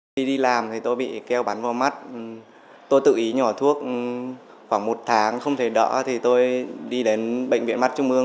khi đi làm thì tôi bị keo bắn vào mắt tôi tự ý nhỏ thuốc khoảng một tháng không thể đỡ thì tôi đi đến bệnh viện mắt trung ương